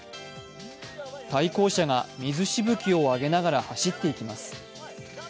対向車が水しぶきを上げながら走っていきます。